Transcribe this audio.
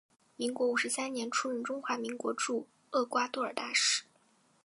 民国五十三年出任中华民国驻厄瓜多尔大使。